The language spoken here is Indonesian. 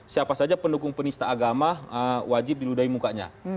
siapa saja pendukung penista agama wajib diludai mukanya